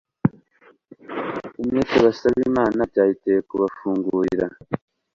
umwete basaba Imana byayiteye kubafungurira